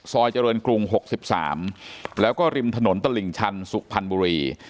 เจริญกรุง๖๓แล้วก็ริมถนนตลิ่งชันสุพรรณบุรี